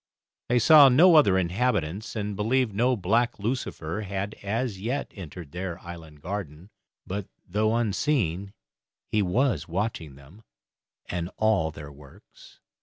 They saw no other inhabitants, and believed that no black lucifer had as yet entered their island garden; but, though unseen, he was watching them and all their works.